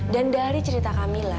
dan dari cerita kamila